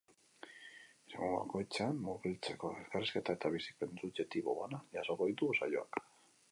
Eremu bakoitzean murgiltzeko, elkarrizketa eta bizipen subjektibo bana jasoko ditu saioak.